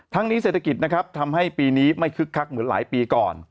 นี้เศรษฐกิจนะครับทำให้ปีนี้ไม่คึกคักเหมือนหลายปีก่อน